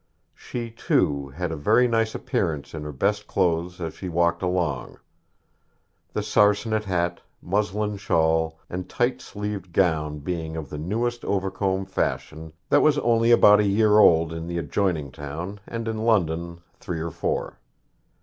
She, too, had a very nice appearance in her best clothes as she walked along the sarcenet hat, muslin shawl, and tight sleeved gown being of the newest Overcombe fashion, that was only about a year old in the adjoining town, and in London three or four.